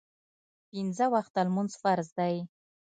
پینځه وخته لمونځ فرض دی